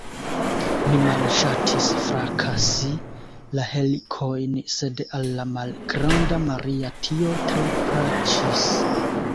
Mi malŝatis frakasi la helikojn, sed al la malgranda Maria tio tre plaĉis.